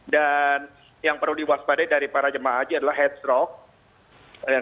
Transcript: dan yang perlu diwaspadai dari para jemaah haji adalah headstroke